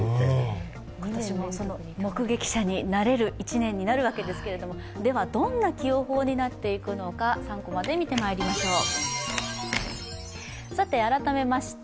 その目撃者になれる１年になるわけですけれどもどんな起用法になっていくか３コマで見てまいりましょう。